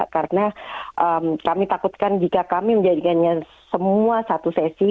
karena kami takutkan jika kami menjadikannya semua satu sesi